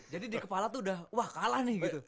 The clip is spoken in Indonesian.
jadi di kepala itu udah wah kalah nih gitu